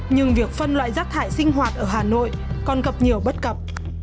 nhưng việc phân loại rác thải sinh hoạt ở hà nội còn gặp nhiều bất cập